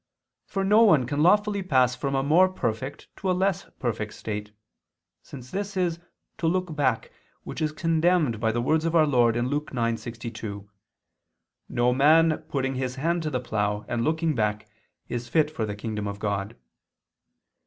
For no one can lawfully pass from a more perfect to a less perfect state; since this is "to look back," which is condemned by the words of our Lord (Luke 9:62), "No man putting his hand to the plough, and looking back, is fit for the kingdom of God."